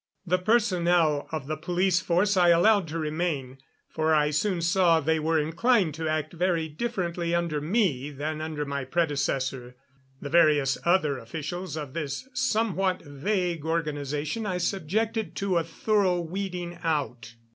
The personnel of the police force I allowed to remain, for I soon saw they were inclined to act very differently under me than under my predecessor. The various other officials of this somewhat vague organization I subjected to a thorough weeding out.